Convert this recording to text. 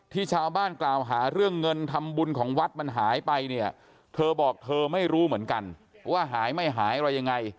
ที่ชาวบ้านกล่าวหาเรื่องเงินทำบุญของวัดมันหายไปเนี่ยเธอบอกเธอไม่รู้เหมือนกันว่าหายไม่หายอะไรยังไง